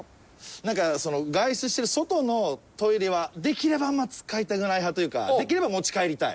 なんかその外出している外のトイレはできればあんまり使いたくない派というかできれば持ち帰りたい。